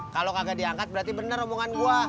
kalau kagak diangkat berarti bener omongan gue